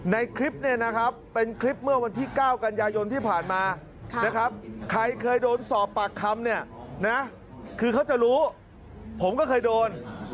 ในคลิปเนี่ยนะครับเป็นคลิปเมื่อวันที่๙กันยายนที่ผ่านมานะครับใครเคยโดนสอบปากคำเนี่ยนะคือเขาจะรู้ผมก็เคยโดน